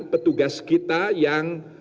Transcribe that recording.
petugas kita yang